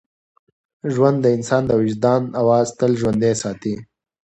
ژوند د انسان د وجدان اواز تل ژوندی ساتي.